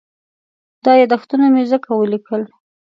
دا یادښتونه مې ځکه وليکل.